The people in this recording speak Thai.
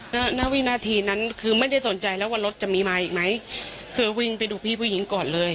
ณวินาทีนั้นคือไม่ได้สนใจแล้วว่ารถจะมีมาอีกไหมคือวิ่งไปดูพี่ผู้หญิงก่อนเลย